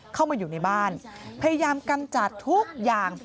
เข้ามาอยู่ในบ้านพยายามกำจัดทุกอย่าง